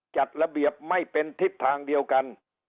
จัดระเบียบไม่เป็นทิศทางเดียวกัน